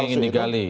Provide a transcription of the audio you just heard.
jadi ingin digali